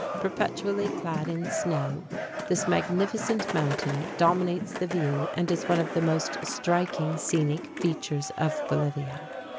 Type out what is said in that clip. Perpetually clad in snow, this magnificent mountain dominates the view, and is one of the most striking scenic features of Bolivia.